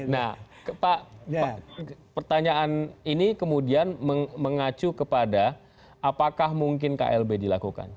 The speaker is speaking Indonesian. nah pertanyaan ini kemudian mengacu kepada apakah mungkin klb dilakukan